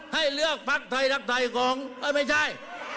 ให้เลือกภักดิ์ไทยรักไทยของไม่ใช่